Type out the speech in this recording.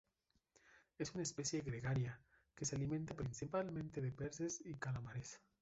Es una especie gregaria que se alimenta principalmente de peces y calamares.